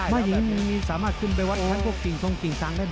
ไม่สามารถขึ้นไปวัดคั้นพวกกิ่งทรงกิ่งทรังได้หมด